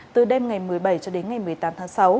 từ đêm ngày một mươi bảy cho đến ngày một mươi tám tháng sáu